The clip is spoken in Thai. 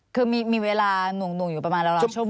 คือมีเวลาหน่วงอยู่ประมาณราวโม